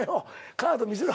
カード見せろ